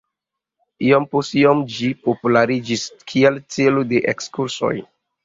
Iom post iom ĝi populariĝis kiel celo de ekskursoj.